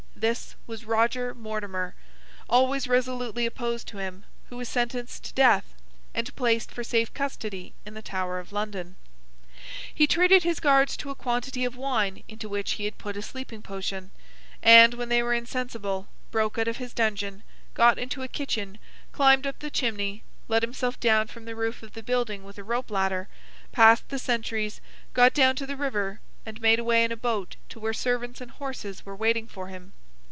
This was Roger Mortimer, always resolutely opposed to him, who was sentenced to death, and placed for safe custody in the Tower of London. He treated his guards to a quantity of wine into which he had put a sleeping potion; and, when they were insensible, broke out of his dungeon, got into a kitchen, climbed up the chimney, let himself down from the roof of the building with a rope ladder, passed the sentries, got down to the river, and made away in a boat to where servants and horses were waiting for him.